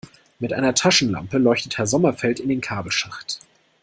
Mit einer Taschenlampe leuchtet Herr Sommerfeld in den Kabelschacht.